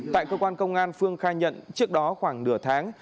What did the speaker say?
tại cơ quan công an phương khai nhận trước đó khoảng nửa tháng